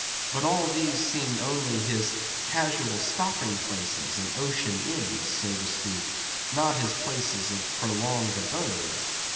But all these seemed only his casual stopping places and ocean inns, so to speak, not his places of prolonged abode.